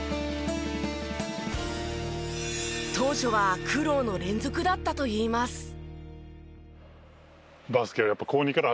当初は苦労の連続だったといいます。